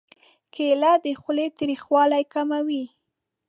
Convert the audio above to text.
کېله د خولې تریخوالی کموي.